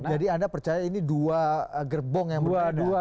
jadi anda percaya ini dua gerbong yang berbeda